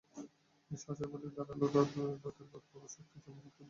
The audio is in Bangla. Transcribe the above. সাহসের প্রতীক ধারালো দাঁতের বাঘ পাব, শক্তি বা মহত্ত্বের প্রতীকও পেতে পারি।